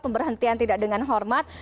pemberhentian tidak dengan hormat